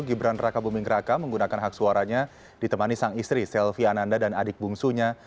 gibran raka buming raka menggunakan hak suaranya ditemani sang istri selvi ananda dan adik bungsunya